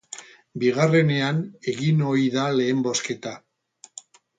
Bigarrenean egin ohi da lehen bozketa.